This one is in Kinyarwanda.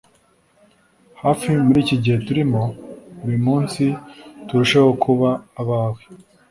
hafi muri iki gihe turimo, buri munsi turusheho kuba abawe